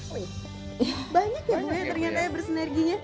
banyak ya bu yang ternyata bersenerginya